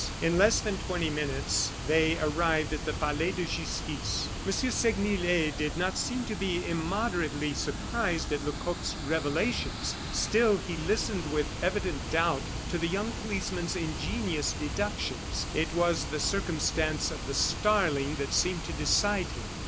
In less than twenty minutes they arrived at the Palais de Justice. M. Segmuller did not seem to be immoderately surprised at Lecoq's revelations. Still he listened with evident doubt to the young policeman's ingenious deductions; it was the circumstance of the starling that seemed to decide him.